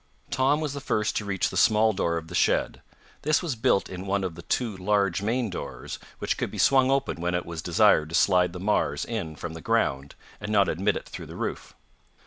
Tom was the first to reach the small door of the shed. This was built in one of the two large main doors, which could be swung open when it was desired to slide the Mars in from the ground, and not admit it through the roof.